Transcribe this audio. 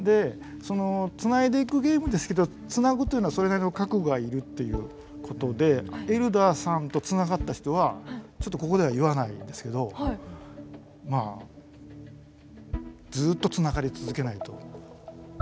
繋いでいくゲームですけど繋ぐというのはそれなりの覚悟がいるっていうことでエルダーさんと繋がった人はちょっとここでは言わないんですけどまあずっと繋がり続けないといけない。